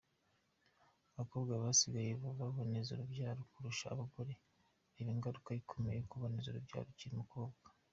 Abakobwa basigaye baboneza urubyaro kurusha abagore, reba ingaruka ikomeye yo kuboneza urubyaro ukiri umukobwa .